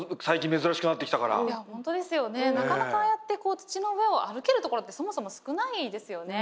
なかなかああやってこう土の上を歩けるところってそもそも少ないですよね。